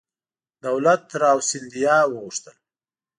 دولت راو سیندهیا وغوښتل.